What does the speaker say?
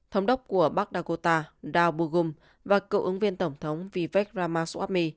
thống đốc của bắc dakota dow boogum và cậu ứng viên tổng thống vivek ramaswamy